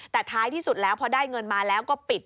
แต่ท้ายที่สุดแล้วพอได้เงินมาแล้วก็ปิด